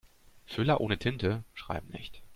Füller ohne Tinte schreiben nicht.